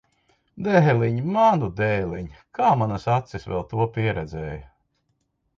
Dēliņ! Manu dēliņ! Kā manas acis vēl to pieredzēja!